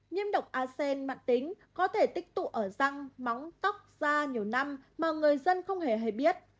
nhiêm độc a sen mạng tính có thể tích tụ ở răng móng tóc da nhiều năm mà người dân không hề hay biết